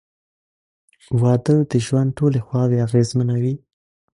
• واده د ژوند ټولې خواوې اغېزمنوي.